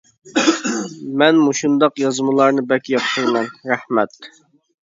مەن مۇشۇنداق يازمىلارنى بەك ياقتۇرىمەن، رەھمەت.